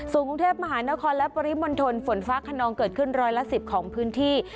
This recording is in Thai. ส่วนกรุงเทพมหานครและปริมณฑลฝนฟ้าขนองเกิดขึ้นร้อยละ๑๐ของพื้นที่